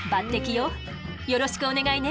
よろしくお願いね。